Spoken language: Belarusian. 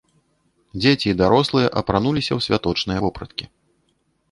Дзеці і дарослыя апрануліся ў святочныя вопраткі.